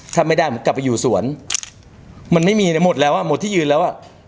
ถ้าไม่ได้ผมกลับไปอยู่สวนมันไม่มีนะหมดแล้วอ่ะหมดที่ยืนแล้วอ่ะ